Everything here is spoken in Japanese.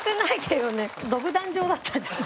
独壇場だったじゃん。